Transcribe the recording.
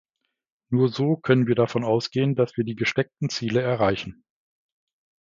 Nur so können wir davon ausgehen, dass wir die gesteckten Ziele erreichen.